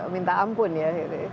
minta ampun ya